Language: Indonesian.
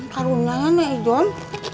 karunian ya nek ijong